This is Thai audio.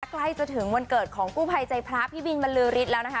ใกล้จะถึงวันเกิดของกู้ภัยใจพระพี่บินบรรลือฤทธิ์แล้วนะคะ